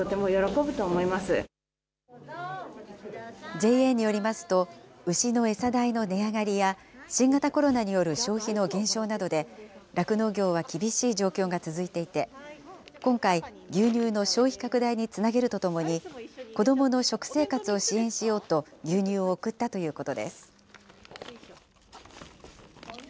ＪＡによりますと、牛の餌代の値上がりや、新型コロナによる消費の減少などで、酪農業は厳しい状況が続いていて、今回、牛乳の消費拡大につなげるとともに、子どもの食生活を支援しようと、牛乳を贈ったということです。